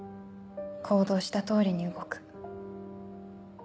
行動した通りに動く。